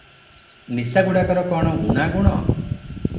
ନିଶାଗୁଡ଼ାକର କ’ଣ ଊଣା ଗୁଣ?